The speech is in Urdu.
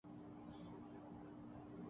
مظہر الاسلام کے ہاں سرئیلی تاثرات موجود ہیں